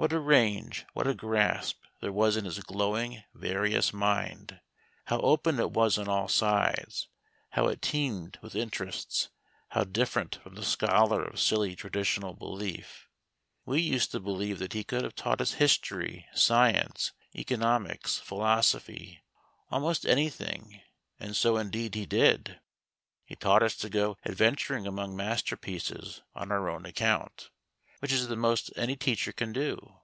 What a range, what a grasp, there was in his glowing, various mind! How open it was on all sides, how it teemed with interests, how different from the scholar of silly traditional belief! We used to believe that he could have taught us history, science, economics, philosophy almost anything; and so indeed he did. He taught us to go adventuring among masterpieces on our own account, which is the most any teacher can do.